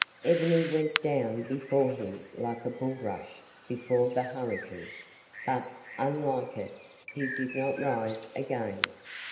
Ebony went down before him like a bulrush before the hurricane, but, unlike it, he did not rise again.